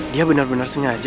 dia bener bener sengaja